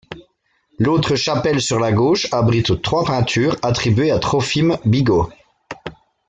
L'autre chapelle sur la gauche abrite trois peintures attribuées à Trophime Bigot.